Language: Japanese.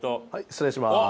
失礼します。